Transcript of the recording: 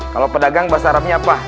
kalau pedagang bahasa arabnya apa